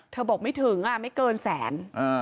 บอกไม่ถึงไม่เกินแสน